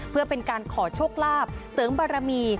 เพื่อเป็นการขอโชคลาภเสริมบารมี